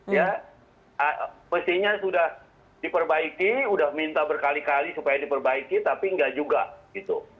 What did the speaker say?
ya mestinya sudah diperbaiki sudah minta berkali kali supaya diperbaiki tapi enggak juga gitu